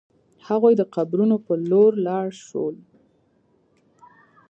هغوی د قبرونو په لور لاړ شول.